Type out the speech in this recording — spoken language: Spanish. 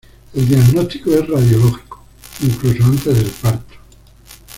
El diagnóstico es radiológico, incluso antes del parto.